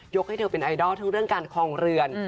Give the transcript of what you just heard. ให้เธอเป็นไอดอลทั้งเรื่องการคลองเรือน